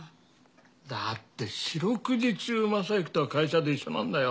だって四六時中昌之とは会社で一緒なんだよ。